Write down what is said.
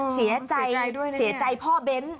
เสียใจผ่อเบ้น